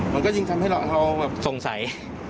มันก็ยิ่งทำให้เราสงสัย